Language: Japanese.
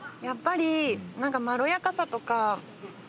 やっぱり何かまろやかさとか。